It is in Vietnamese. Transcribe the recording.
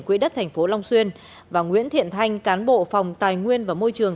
quỹ đất thành phố long xuyên và nguyễn thiện thanh cán bộ phòng tài nguyên và môi trường